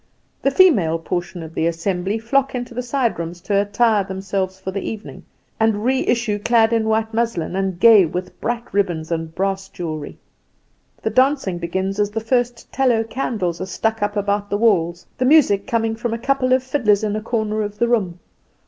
The female portion of the assembly flock into the side rooms to attire themselves for the evening; and re issue clad in white muslin, and gay with bright ribbons and brass jewelry. The dancing begins as the first tallow candles are stuck up about the walls, the music coming from a couple of fiddlers in a corner of the room.